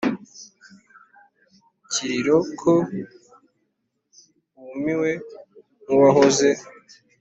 kiriro ko wumiwe nk’uwahoze,